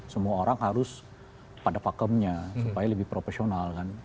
semua orang harus pada pakemnya supaya lebih profesional kan